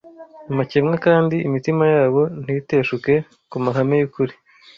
amakemwa kandi imitima yabo ntiteshuke ku mahame y’ukuri